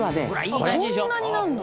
「こんなになるの？」